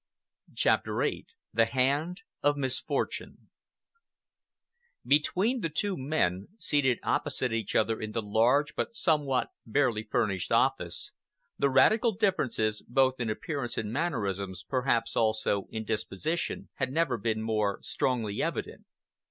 CHAPTER VIII THE HAND OF MISFORTUNE Between the two men, seated opposite each other in the large but somewhat barely furnished office, the radical differences, both in appearance and mannerisms, perhaps, also, in disposition, had never been more strongly evident.